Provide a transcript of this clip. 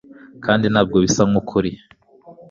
kandi ntabwo bisa nkukuri